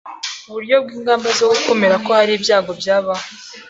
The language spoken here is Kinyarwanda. Uburyo bw'ingamba zo gukumira ko hari ibyago byabaho